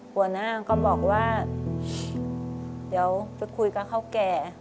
หัวหน้าก็บอกว่าเดี๋ยวจะคุยกับเท่าแก่